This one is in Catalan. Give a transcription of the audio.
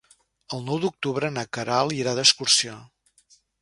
El nou d'octubre na Queralt anirà d'excursió.